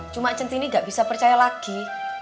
cuma centini nggak bisa percaya lagi